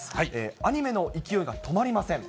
アニメの勢いが止まりません。